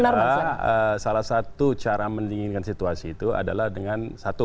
sementara salah satu cara mendinginkan situasi itu adalah dengan satu